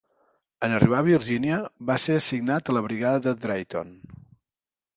En arribar a Virginia, va ser assignat a la brigada de Drayton.